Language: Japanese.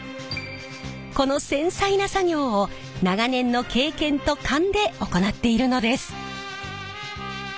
この繊細な作業を長年の経験と勘で行っているのです。